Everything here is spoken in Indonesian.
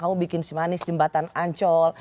kamu bikin si manis jembatan ancol